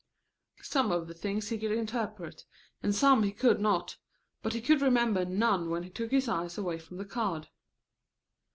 Some of the things he could interpret and some he could not, but he could remember none when he took his eyes away from the card.